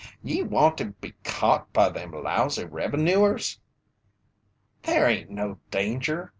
"Ye want to be caught by them lousy revenooers?" "There hain't no danger.